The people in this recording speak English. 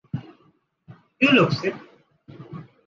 You look sick.